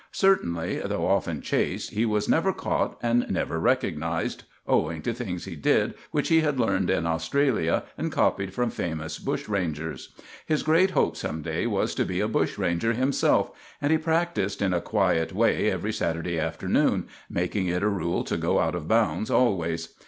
Certainly, though often chased, he was never caught and never recognized, owing to things he did which he had learned in Australia and copied from famous bushrangers. His great hope some day was to be a bushranger himself, and he practised in a quiet way every Saturday afternoon, making it a rule to go out of bounds always.